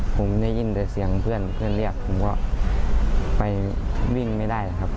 ผมได้ยินแต่เสียงเพื่อนเรียกผมก็ไปวิ่งไม่ได้ครับ